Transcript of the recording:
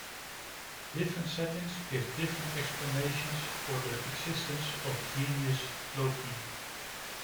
Different settings give different explanations for the existence of genius loci.